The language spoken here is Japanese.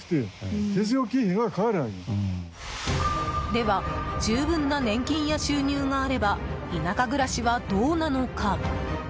では十分な年金や収入があれば田舎暮らしはどうなのか？